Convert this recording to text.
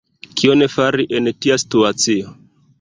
Kion fari en tia situacio?